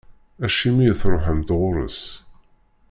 Acimi i truḥemt ɣur-s.